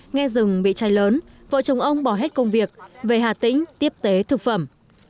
nghe rừng bị cháy lớn vợ chồng ông bỏ hết công việc về hà tĩnh tiếp tế thực phẩm